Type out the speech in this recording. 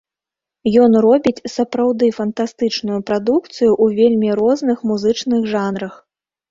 Ён робіць сапраўды фантастычную прадукцыю ў вельмі розных музычных жанрах.